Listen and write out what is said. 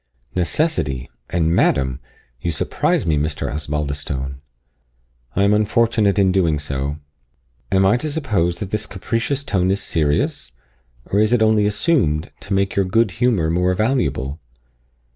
"Necessity! and madam! You surprise me, Mr. Osbaldistone." "I am unfortunate in doing so." "Am I to suppose that this capricious tone is serious? or is it only assumed, to make your good humour more valuable?"